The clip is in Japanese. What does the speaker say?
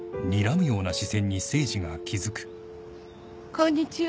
こんにちは。